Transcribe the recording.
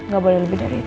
ga boleh lebih dari itu